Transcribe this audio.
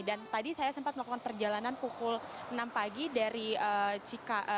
dan tadi saya sempat melakukan perjalanan pukul enam pagi